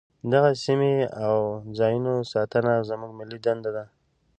دغسې سیمو او ځاینونو ساتنه زموږ ملي دنده ده.